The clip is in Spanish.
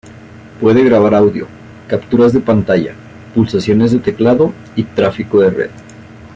Puede grabar audio, capturas de pantalla, pulsaciones de teclado y tráfico de red.